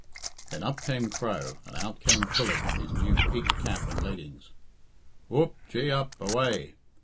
Then up came Crow, and out came Philip in his new peaked cap and leggings. Whoop! Gee up! Away!